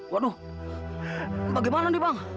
waduh bagaimana nih bang